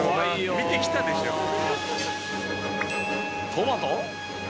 トマト？